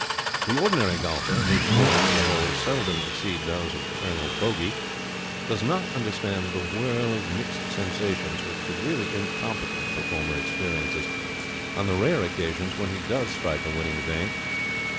The ordinary golfer, whose scores per hole seldom exceed those of Colonel Bogey, does not understand the whirl of mixed sensations which the really incompetent performer experiences on the rare occasions when he does strike a winning vein.